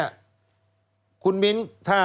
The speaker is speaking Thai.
สวัสดีค่ะต้องรับคุณผู้ชมเข้าสู่ชูเวสตีศาสตร์หน้า